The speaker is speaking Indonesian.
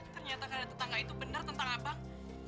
ternyata karena tetangga itu benar tentang abang